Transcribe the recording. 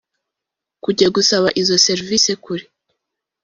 Kujya gusaba izo service kure